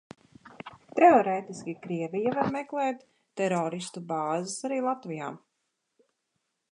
Teorētiski Krievija var meklēt teroristu bāzes arī Latvijā.